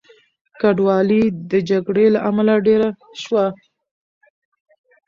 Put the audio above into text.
کډوالۍ د جګړې له امله ډېره شوه.